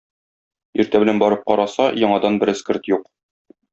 Иртә белән барып караса, яңадан бер эскерт юк.